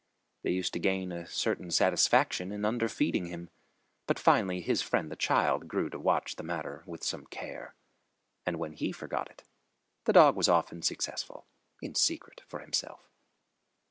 They used to gain a certain satisfaction in underfeeding him, but finally his friend the child grew to watch the matter with some care, and when he forgot it, the dog was often successful in secret for himself.